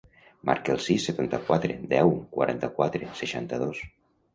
Marca el sis, setanta-quatre, deu, quaranta-quatre, seixanta-dos.